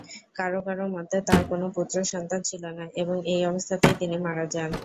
কারো কারো মতে তার কোনো পুত্র সন্তান ছিল না এবং এই অবস্থাতেই তিনি মারা যান।